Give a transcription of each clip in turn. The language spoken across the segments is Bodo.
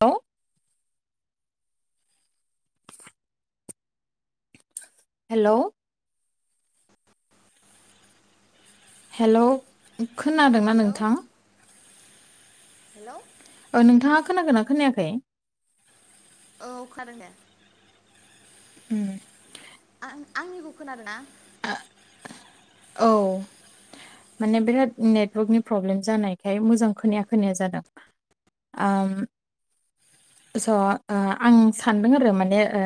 औ हेलौ हेलौ खोनादोंना हेलौ नोंथां? हेलौ ओ नोंथाङा खोनागोना खोनायाखै औ खादों दे। उम आं आंनिखौ खोनादो ना ओ औ माने बिराद नेटर्वकनि प्रब्लेम जानायखाय मोजां खोनाया खोनाया जादों उम सा अ आं सानदों आरो माने ओ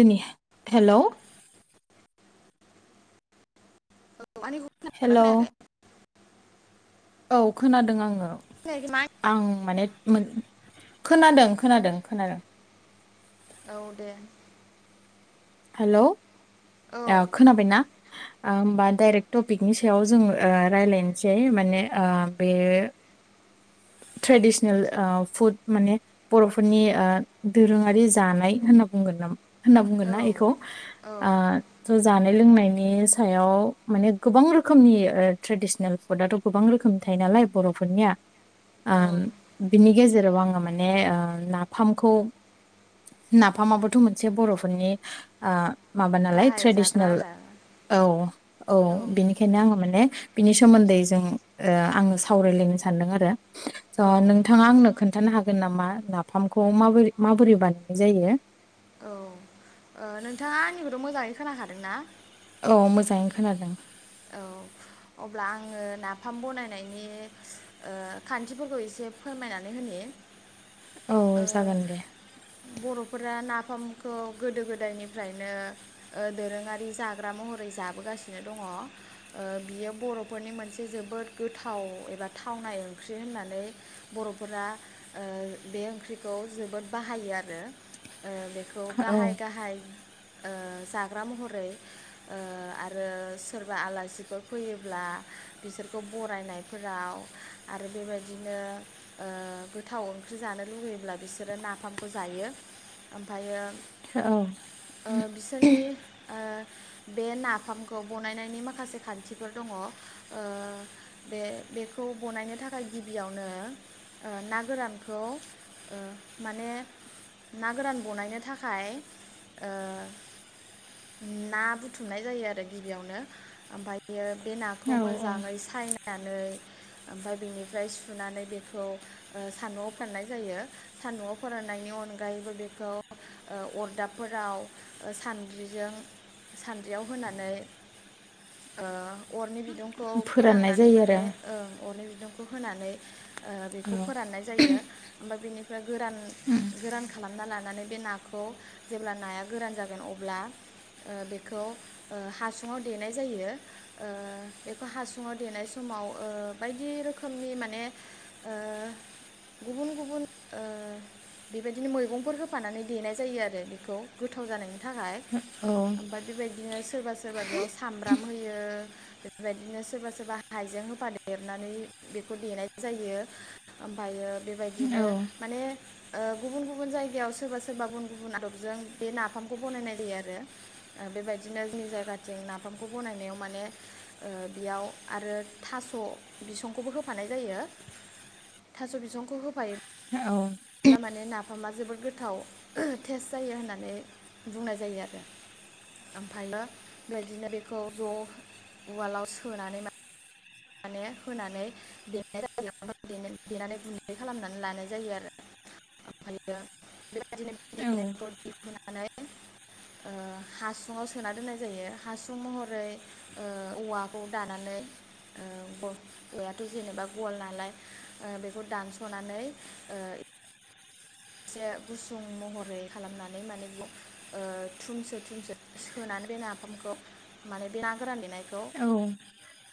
दिनै हेलौ औ आंनिखौ खना दोना हेलौ खोनायाखै औ खोनादों आङो खोनायाखै आं माने मोन खोनादों खोनादों खोनादों नामा औ दे हेलौ औ ओ खोनाबायना? ओहोमबा डाइरेक्ट टपिकनि सायाव जों ओ रायलायनोसै माने ओ बे ट्रेडिसनेल ओ फुड माने बर'फोरनि ओ दोरोङारि जानाय होनना बुंगोन नामा? होनना बुंगोन औ ना इखौ औ ओ थ' जानाय लोंनायनि नि सायाव माने गोबां रोखोमनि ओ ट्रेडिसनेल फुदथ गोबां रोखोमनि थायो नालाय बरफोरनिया औ उम बिनि गेजेराव आङो माने ओ नाफामखौ नाफामाबोथ' मोनसे बर'फोरनि ओ माबा नालाय गाहाय जाग्रा ट्रेडिसनेल आदार औ औ बिनिखायनो आङो माने बिनि सोमोन्दै जों ओ आङो सावरायलायनो सानदों आरो स औ नोंथाङा आंनो खोन्थानो हागो गोन नामा नाफामखौ माबोरै माबोरै बानायनाय जायो। औ ओ नोंथाङा आंनिखौथ' मोजाङै खोनाखादोंना औ मोजाङैनो खोनादों औ अब्ला आङो नाफाम बनायनायनि ओ खान्थिफोरखौ एसे फोरमायनानै होनि औ ओ जागोन दे। बरफोरा नाफामखौ गोदो गोदायनिफ्रायनो ओ दोरोङारि जाग्रा महरै जाबोगासिनो दङ ओ बियो बर'फोरनि मोनसे जोबोद गोथाव एबा थावनाय ओंख्रि होननानै बर'फोरा ओ बे ओंख्रिखौ जोबोद बाहायो आरो ओ बे खौ औ गाहाय गाहाय ओ जाग्रा महर रै ओ आरो सोरबा आलासिफोर फैयोब्ला बिसोरखौ बरायनायफोराव आरो बेबायदिनो ओ गोथाव ओंख्रि जानो लुुबैयोब्ला बिसोरो नाफामखौ जायो ओमफायो ओ बिसोरनि ओ बे नाफामखौ बनायनि माखासे खान्थिफोर दं ओ बे बेखौ बनायनो थाखाय गिबियावनो ओ ना गोरानखौ ओ माने ना गोरान बनायनो थाखाय ओ ना बुथुमनाय जायो आरो गिबियावनो ओमफायो, बे नाखौ औ मोजाङै सायना नानै ओमफ्राय बेनिफ्राय सुनानै बेखौ ओ सान्दुंआव फोराननाय जायो सान्दुआव फोराननायनि अनगायैबो बेखौ ओ अरदाबफोराव सानद्रिजों सानद्रियाव होनानै ओ अरनि बिदुं खौ फोराननाय फोनांनानै जायो माने ओं अर नि बिदुं खौ होनानै बेखौ आरो फोराननाय जायो ओमफाय बेनिफ्राय गोरान गोरान खालामना लानानै बे नाखौ जेब्ला नाया गोरान जागोन अब्ला बेखौ ओ हासु हुङाव देनाय जायो ओ बेखौ हासुंङाव देनाय समाव ओ बायदि रोखोमनि माने ओ गुबुन गुबुन ओ बेबायदिनो मैगंफोर होफानानै देनाय जायो आरो बेखौ गोथाव जानायनि थाखाय औ ओमफाय बेबायदिनो सोरबासो सोरबा बेयाव सामब्राम होयो बेफोरबायदिनो सोरबा सोरबा हाइजें होफा देरनानै बेखौ देनाय जायो ओमफायो औ बेबायदिनो माने गुबुन गुबुन जायगायाव सोरबा सोरबा गुबुन गुबुन आदबजों बे नाफामखौ बनायनाय जायो आरो बेबायदिनो जोंनि जायगा जों नाफामखौ बनायनायाव माने बेयाव आरो थास बिसंखौबो होफानाय जायो थास बिसंखौ होफायो ब्ला माने नाफामा जोबोद गो थाव टेस्ट जायो होननानै बुंनाय जायो आरो ओमफ्रायो बेबायदिनो बेखौ ज उवालाव सोनानै मा माने होनानै देनाय जायो देनानै गुन्दै खालामनानै लानाय जायो आरो ओमफ्रायो, बेबायदिनो [unintelligible] औ होनै ओ हासुङाव सोना दोननाय जायो हासुं महरै ओ औवाखौ दानानै, ओ औवायाथ जेनेबा गल नालाय ओ बेखौ दानसनानै ओ एसे गुसुं महरै खालामनानै माने बेयाव ओ थुमसो थुमसो सोनानै बे नाफामखौ माने बे नांग फोरान देनायखौ औ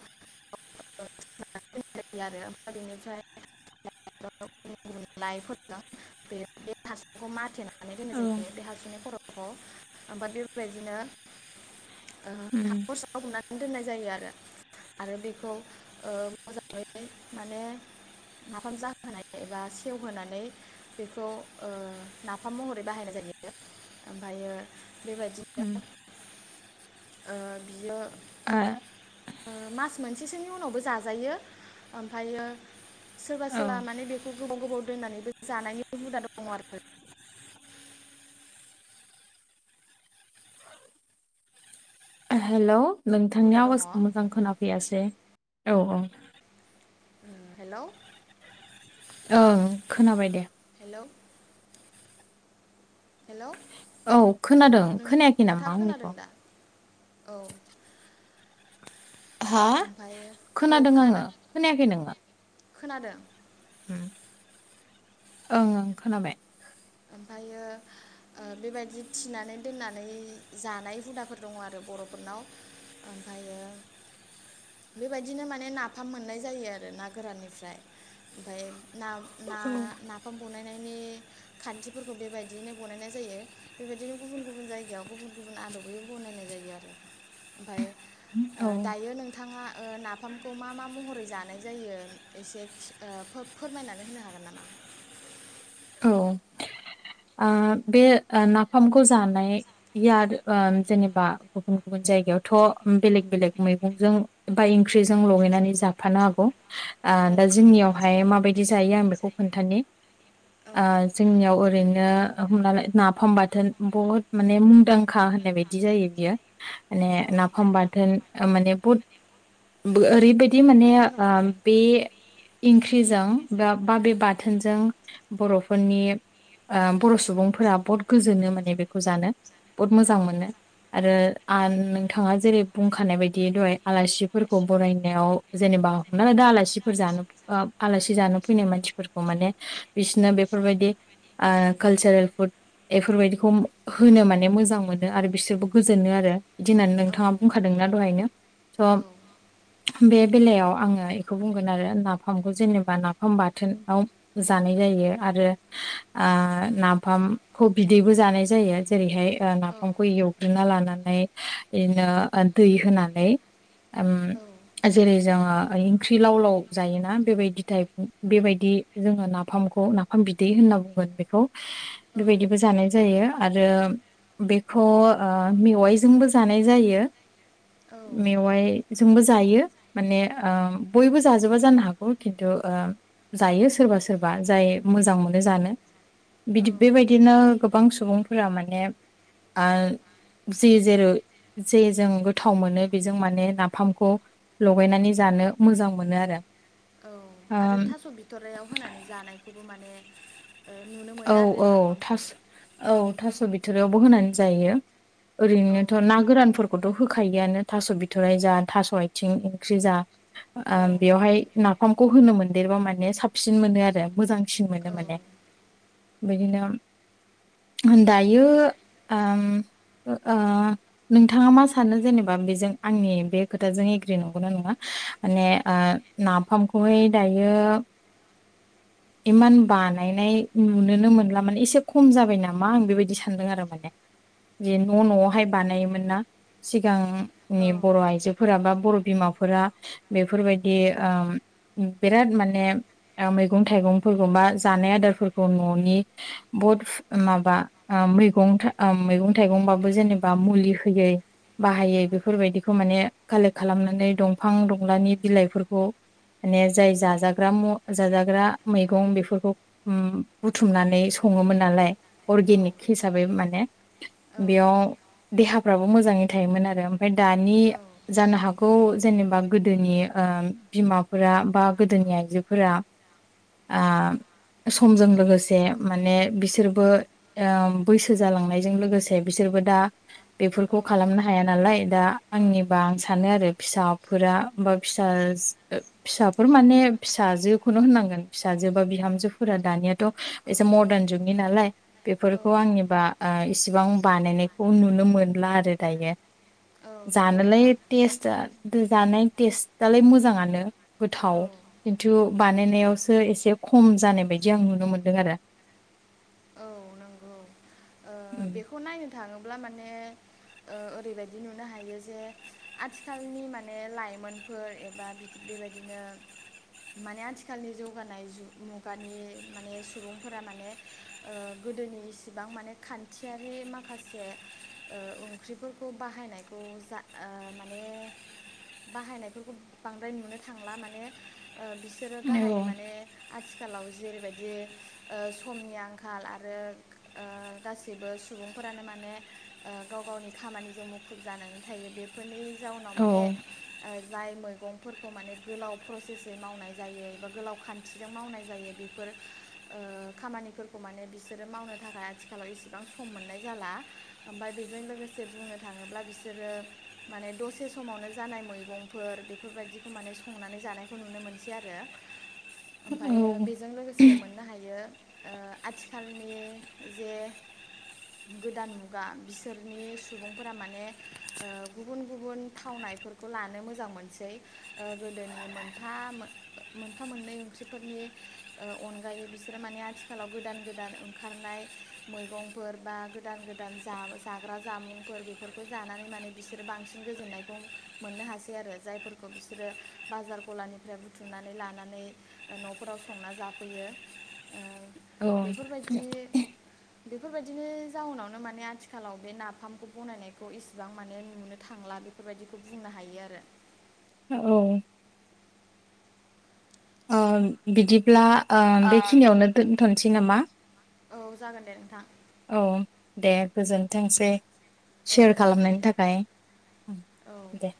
[unintelligible] आरो बिनिफ्राय [unintelligible] गुलाइफोरजों बे बे हासुखौ माथेनानै दोनाय औ जायो बे हासुनि खर'खौ ओनफाय बेबायदिनो, उम [unintelligible] दोननाय जायो आरो आरो बेखौ ओ मोजाङै माने नाफाम जाहो खानाय एबा सेवहोनानै बेखौ ओ नाफाम महरै बाहायनाय जायो ओमफायो, उम। ओ बियो आ ओ मास मोनसेसोनि उनावबो जाजायो ओमफ्रायो सोरबा औ सोरबा माने बेखौ गोबाव गोबाव दोननानैबो जानायनि हुदा दङ आरो ओ हेल्लव। हुदा नोंथांनि दङ आवाजखौ मोजां खोनाफैयासै। औ औ। उम हेलव? ओं खोनाबाय दे। लौ हेलौ औ खोनादों खोनायाखै नोंथाङा नामा खोनादों आंनिखौ? दा औ हा ओमफ्रायो औ खोनादों आङो खोनायाखै नोङो? खोनादों? उम [unintelligible] ओं ओं खोनाबाय। ओमफायो ओ बेबायदि थिनानै दोननानै जानाय हुदाफोर दङ आरो बरफोरनाव ओमफायो बेबायदिनो माने नाफाम मोननाय जायो आरो ना गोराननिफ्राय ओमफाय नाग ना औ नाफाम बनायनाय बे खान्थिफोरखौ बेबायदियैनो बनायनाय जायो बेबायदिनो गुबुन गुबुन जायगायाव गुबुन गुबुन आदबै बनायनाय जायो आरो ओमफाय ओ औ। दायो नोंथाङा ओ नाफाम खौ मा मा महरै जानाय जायो एसे खि ओ फो- फोरमायनानै होनो हागोन नामा? औ आ बे नाफामखौ जानाया उम जेनेबा गुबुन गुबुन जायगायावथ' बेलेग बेलेग मैगंजों ओमफाइ ओंख्रिजों लगायनानै जाफानो हागौ। आ औ दा जोंनियावहाय मा बायदि जायो आं बेखौ खोन्थानि उह जोंनियाव ओरैनो हमनाै नाफाम बाथोन बहुद माने मुंदांखा होननाय बायदि जायो बियो माने औ नाफाम बाथोन माने बहुद बो ओरैबायदि माने उह बे ओंख्रिजों बा बा बेे बाथोनजों बर'फोरनि ओ बर' सुबुंफोरा बहुत गोजोनो माने बेखौ जानो बहुत औ मोजां मोनो आरो आन नोंथाङा जेरै बुंखानाय बायदि दहाय आलासिफोरखौ बरायनायाव जेनेबा हमनालादो आलासिफोर जानो उह आलासि जानो फैनाय मानसिफोरखौ माने बिसिनो बेफोरबायदि उह कालसोरेल फुड एफोरबायदिखौ होनो माने मोजां मोनो आरो। बिसोरबो गोजोनो आरो बिदि होननान नोंथाङा बुंखादों ना दहायनो स' औ बे बेलायाव आङो एखौ बुंगोन आरो नाफामखौ जेनोबा नाफाम बाथोन आव जानाय जायो। आरो ओ नाफामखौ बिदैबो जानाय जायो जेरै हाय आ नाफामखौ एवग्रोना लानान नै इनो उह दै होनानै उम औ औ जेरै जोङो आइ ओंख्रि लाव लाव जायोना बेबायदि टाइप बेबायदि जोङो नाब फामखौ नाफाम बिदै होनना बुंगोन बेखौ औ बेबायदिबो जानाय जायो। आरो बेखौ ओ मेवाइजोंबो जानाय जायो। औ मेवाइ जोंबो जायो माने ओम बयबो जाजोबा जानो हागौ खिन्थु उह जायो सोरबा सोर बा जाय मोजां मोनो जानो बिदि बेबायदिनो गोबां सुबुं फोरा माने ओ जे जेरै जे जजों गोथाव मोनो बेजों माने नाफामखौ लगायनानै जानो मोजां मोनो आरो। औ आरो थास' बिथ'रायाव होनानै जानाय बे खौबो माने ओ नुनो औ मोनो आरो औ नाफामखौ थास औ। थास बिथरियावबो होनानै जायो। औ ओरैनोथ ना गोरानफोर खौथ होखायोआनो थास' बिथराइ जा थास'आथिं ओंख्रि जा औ ओ बेवहाय नाफामखौ होनो मोनदेरबा माने साबसिन मोनो आरो मोजांसिन मोनो माने। बिदिनो दायो ओम ओ नोंथाङा मा सानो जेनेबा बेजों आंनि बे खोथाजों एग्रि नंगौना नङा माने नाफामखौहाय दायो इमान बानायनाय नुनोनो मोनला माने एसे खम जाबाय नामा आं बेबायदि सानदों आरो माने जे न' न' आवहाय बानायोमोन ना सिगां नि बर'आइजोफोरा बा बर बिमाफोरा बेफोरबायदि ओ बिराद माने मैगं थाइगंफोरखौ बा जानाय आदारफोरखौ ननि बहुत माबा मैगं मैगं थाइगंबाबो जेनेबा मुलि होयै बाहायै बेफोरबायदिखौ माने कालेक्ट खालामनानै दंफां दंलानि बिलाइफोरखौ माने जाय जाजाग्रा म जाजाग्रा मैगं बेफोरखौ ओम बुथुमनानै संङोमोन नालाय औ अर्गेनिक हिसाबै माने बेयाव देहाफ्राबो मोजाङै थायोमोन आरो फाय दानि औ जानो हा गौ जेनेबा गोदोनि ओ बिमाफोरा बा गोदोनि आइजोफोरा ओ समजों लोगोसे माने बिसोरबो ओ बैसो जालांनायजों लोगोसे बिसोरबो दा औ बेफोरखौ खालामनो हाया नालाय दा औ आंनिबा आं सानो आरो फिसाफोरा बा फिसा फिसाफोर माने फिसाजोखौनो होननांगोन फिसाजो बा बिहामजोफोरा दानियाथ एसे मदारन जुगनि नालाय बेफोरखौ आंनिबा ओ इसिबां बानायनायखौ नुनो मोनला आरो दायो। औ नंगौ जानोलाय नोंथां तेस्ट आ दो जानाय टेस्टआलाय मोजाङानो। गोथाव औ खिन्थु बानायनायावसो एसे खम जानाय बायदि आं नुनो मोन दों आरो औ नंगौ। ओ बेखौ नायनो थाङोब्ला मान ने ओ ओरैबायदि नुनो हायो जे आथिखालनि माने लाइमोनफोर एबा बेबायदिनो माने आथिखालनि जौगानाय जुग मुगानि माने सुबुंफोरा माने ओ गोदोनि इसिबां माने खान थियारि माखासे ओ ओंख्रिफोरखौ बाहायनायखौ जा ओ माने बाहायनायफोरखौ बांद्राय नुनो थांला माने। ओ बिसोरो गाहाय माने आथिखालाव जेरैबाय दि ओ समनि आंखाल आरो ओ गासै सैबो सुबुंफोरानो माने ओ गाव गावनि खामानिजों मुखुब जानानै थायो बेफोरनि जाउनाव औ माने ओ जाय मोन गंफोरखौ माने गोलाव प्रसेसै मावनाय जायो एबा गोलाव खान्थिजों मावनाय जायो बेफोर ओ खामानिफोरखौ माने बिसोरो मावनो थाखाय आथिखालाव एसे बां सम मोननाय जाला आमफाय बेजों लोगोसे बुंनो थाङोब्ला बिसोरो माने दसे समावनो जानाय मैगंफोर बेफोरबायदिखौ माने संनानै जानायखौ नुनो मोनसै आरो ओमफायो औ बेजों लोगोसे मोननो हायो ओ आथिखालनि जे गोदान मुगा बिसोरनि सुबुंफोरा माने ओ गुबुन गुबुन थावनायफोरखौ लानो मोजां मोनसै ओ गोदोनि मोनफा मोन ओ मोनफा मोननै ओंख्रिफोरनि ओ अनगायै बिसोरो माने आथिखालाव गोदान गोदान ओंखारनाय मैगंफोर बा गोदान गोदान जा जाग्रा जामुंफोर बेफोरखौ जानानै माने बिसोरो बांसिन गोजोननायखौ मोननो हासै आरो जायफोरखौ बिसोरो बाजार गलानिफ्राय बुथुमनानै लानानै नफोराव संना जाफैयो। ओ औ खोना, बेफोरबायदि बेफोरबायदिनि जाउनावनो माने आथिखालाव बे नाफामखौ बनायनायखौ इसिबां माने नुनो थांला बेफोरबायदिखौ बुंनो हायो आरो औ ओ बिदिब्ला ओ बेखिनियावनो दोनथ' थि नामा? औ जागोन दे नोंथां। औ दे गोजोनथोंसै औ सेयार जागोन खालामनायनि दे थाखाय ओम औ दे